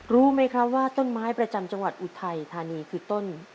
รู้ไหมครับว่าต้นไม้ประจำจังหวัดอุทัยธานีคือต้น